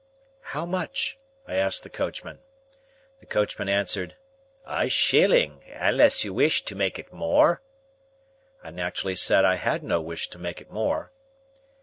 "How much?" I asked the coachman. The coachman answered, "A shilling—unless you wish to make it more." I naturally said I had no wish to make it more.